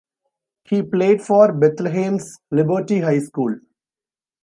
He played for Bethlehem's Liberty High School.